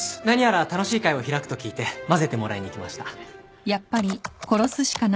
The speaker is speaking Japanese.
何やら楽しい会を開くと聞いて交ぜてもらいに来ました。